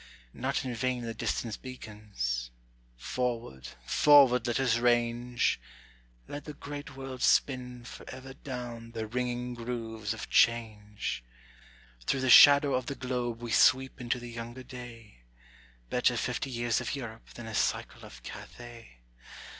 Not in vain the distance beacons. Forward, forward let us range; Let the great world spin forever down the ringing grooves of change. Through the shadow of the globe we sweep into the younger day: Better fifty years of Europe than a cycle of Cathay.